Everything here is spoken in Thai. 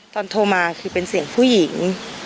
โทรมาคือเป็นเสียงผู้หญิง